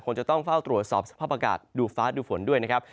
จะต้องเฝ้าตรวจสอบสภาพอากาศดูฟ้าดูฝนด้วยนะครับ